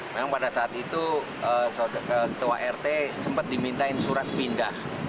memang pada saat itu ketua rt sempat dimintain surat pindah